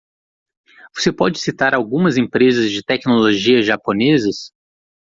Você pode citar algumas empresas de tecnologia japonesas?